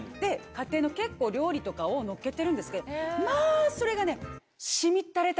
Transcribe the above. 家庭の結構料理とかを載っけてるんですけどまあそれがね。